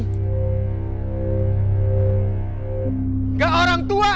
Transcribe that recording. maksudnya aduh uangnya ngereken